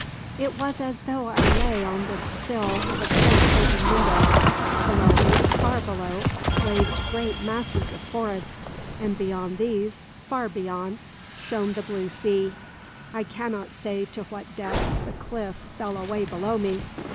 It was as though I lay on the sill of a great open window. Below me far below waved great masses of forest, and beyond these far beyond shone the blue sea. I cannot say to what depth the cliff fell away below me.